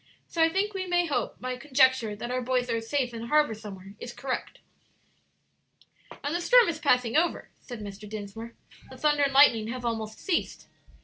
So I think we may hope my conjecture that our boys are safe in harbor somewhere, is correct." "And the storm is passing over," said Mr. Dinsmore; "the thunder and lightning have almost ceased."